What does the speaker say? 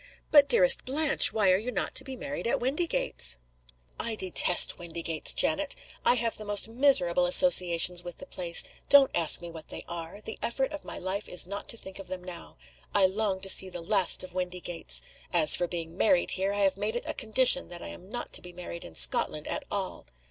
"But, dearest Blanche, why are you not to be married at Windygates?" "I detest Windygates, Janet. I have the most miserable associations with the place. Don't ask me what they are! The effort of my life is not to think of them now. I long to see the last of Windygates. As for being married there, I have made it a condition that I am not to be married in Scotland at all."